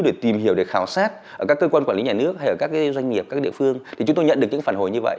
để tìm hiểu để khảo sát ở các cơ quan quản lý nhà nước hay ở các doanh nghiệp các địa phương thì chúng tôi nhận được những phản hồi như vậy